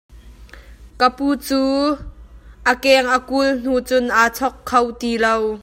Ka pu cu a keng a kul hnu cun aa chok tuk ti lo.